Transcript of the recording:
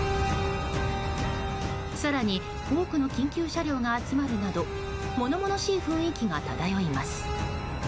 更に多くの緊急車両が集まるなど物々しい雰囲気が漂います。